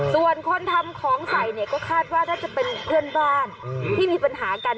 ส่วนคนทำของใส่เนี่ยก็คาดว่าน่าจะเป็นเพื่อนบ้านที่มีปัญหากัน